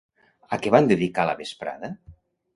A què van dedicar la vesprada?